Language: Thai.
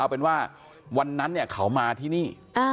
เอาเป็นว่าวันนั้นเขามาที่นี่